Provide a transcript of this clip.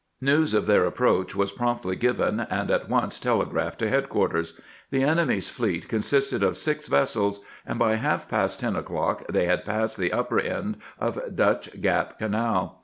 News of their approach was promptly given, and at once telegraphed to head quarters. The enemy's fleet consisted of six vessels, and by half past ten o'clock they had passed the upper end of Dutch Gap Canal.